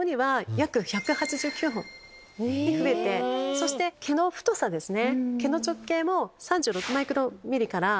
そして毛の太さですね。